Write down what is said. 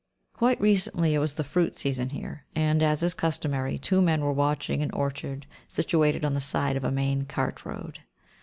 Quite recently it was the fruit season here, and, as is customary, two men were watching an orchard situated on the side of a main cart road.